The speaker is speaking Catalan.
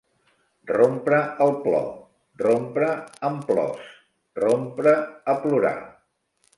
Rompre el plor, rompre en plors, rompre a plorar.